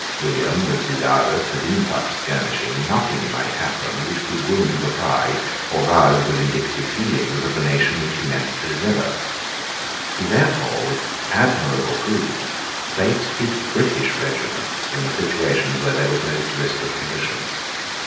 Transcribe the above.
William was desirous that in such skirmishing nothing might happen which could wound the pride or rouse the vindictive feelings of the nation which he meant to deliver. He therefore, with admirable prudence, placed his British regiments in the situations where there was most risk of collision.